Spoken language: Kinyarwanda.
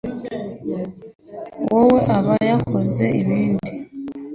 wawe aba yakoze n'ibindi